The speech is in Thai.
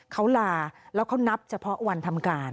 เขาลาแล้วเขานับเฉพาะวันทำการ